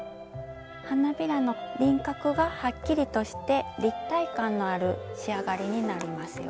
花びらの輪郭がはっきりとして立体感のある仕上がりになりますよ。